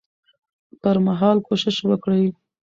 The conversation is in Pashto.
پر مهال کوشش وکړي